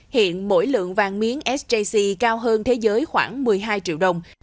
hiện mỗi lượng vàng miếng sjc cao hơn thế giới khoảng một mươi hai triệu đồng